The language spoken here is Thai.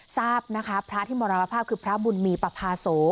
ทราบนะคะพระที่มรณภาพคือพระบุญมีประพาโส